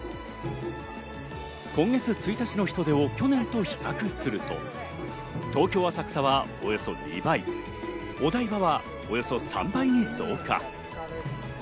今月１日の人出を去年と比較すると、東京・浅草はおよそ２倍、お台場はおよそ３倍に増加。